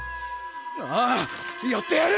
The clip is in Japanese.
ああやってやる！